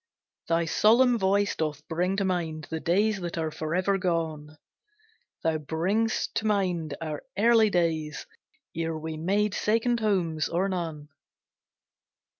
Thy solemn voice doth bring to mind The days that are forever gone: Thou bringest to mind our early days, Ere we made second homes or none.